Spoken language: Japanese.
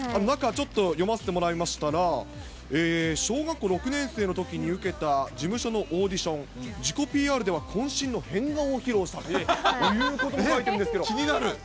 中、ちょっと読ませてもらいましたら、小学校６年生のときに受けた事務所のオーディション、自己ＰＲではこん身の変顔を披露したということが書いてあるんで気になる。